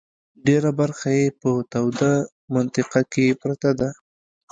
ډېره برخه یې په توده منطقه کې پرته ده.